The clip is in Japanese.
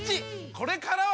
これからは！